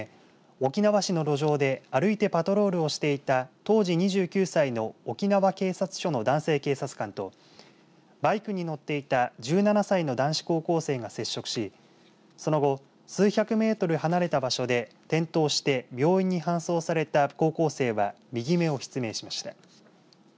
沖縄市の路上で歩いてパトロールをしていた当時２９歳の沖縄警察署の男性警察官とバイクに乗っていた１７歳の男子高校生が接触しその後、数百メートル離れた場所で転倒して病院に搬送された高校生は右目を失明しました。